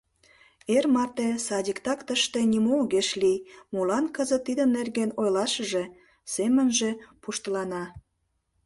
Эр марте садиктак тыште нимо огеш лий, молан кызыт тидын нерген ойлашыже», — семынже пуштылана.